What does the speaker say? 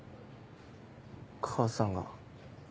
母さんが。